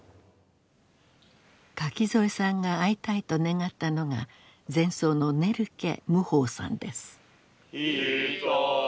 垣添さんが会いたいと願ったのが禅僧のネルケ無方さんです。